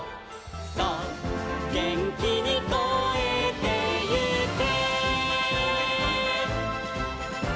「そうげんきにこえてゆけ」